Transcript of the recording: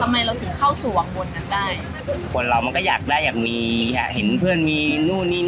ทำไมเราถึงเข้าสู่วังคนนั้นได้คนเรามันก็อยากได้อยากมีค่ะเห็นเพื่อนมีนู่นนี่